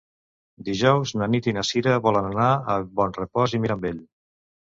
Dijous na Nit i na Cira volen anar a Bonrepòs i Mirambell.